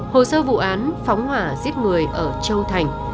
hồ sơ vụ án phóng hỏa giết người ở châu thành